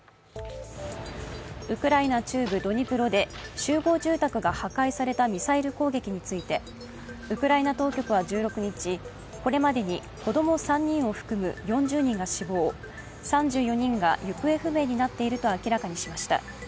ウクライナ中部ドニプロで集合住宅が破壊されたミサイル攻撃についてウクライナ当局は１６日、これまでに子供３人を含む４０人が死亡、３４人が行方不明になっていると明らかにしました。